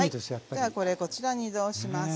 じゃあこれこちらに移動します。